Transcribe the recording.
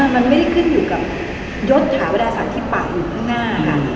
มันไม่ได้ขึ้นอยู่กับยศหวัดอาสารที่ปากอยู่ข้างหน้ากัน